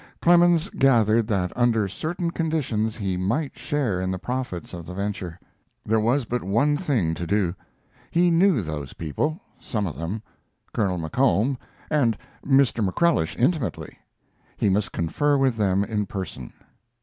Clemens gathered that under certain conditions he might share in the profits of the venture. There was but one thing to do; he knew those people some of them Colonel McComb and a Mr. McCrellish intimately. He must confer with them in person.